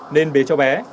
nên bế chó bé